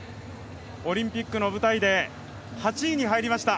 オリンピックの舞台で８位に入りました。